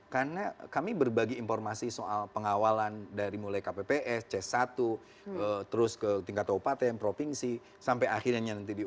karena kami berbagi informasi soal pengawalan dari mulai kpps c satu terus ke tingkat upaten provinsi sampai akhirnya nanti di